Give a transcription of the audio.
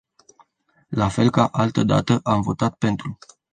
La fel ca altădată, am votat pentru.